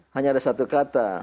hanya ada satu kata